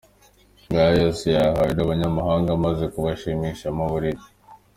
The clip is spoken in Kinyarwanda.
Ngo aya yose yayahawe n’abanyamahanga amaze kubashimisha mu buriri.